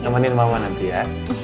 temanin mama nanti ya